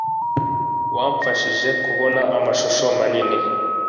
wamfashije kubona amashusho manini